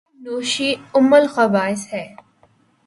شراب نوشی ام الخبائث ہےـ